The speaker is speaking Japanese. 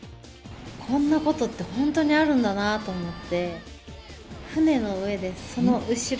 こんなことって本当にあるんだなって思って。